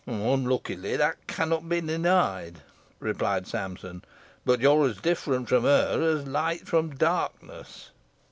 "Unluckily that cannot be denied," replied Sampson; "but you're as different from her as light from darkness."